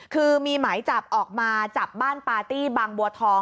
คือมีหมายจับออกมาจับบ้านปาร์ตี้บางบัวทอง